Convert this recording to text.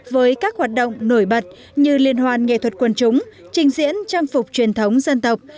với các hoạt động nổi bật như liên hoan nghệ thuật quần chúng trình diễn trang phục truyền thống dân tộc